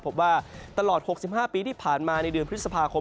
พบว่าตลอด๖๕ปีที่ผ่านมาในเดือนพฤษภาคม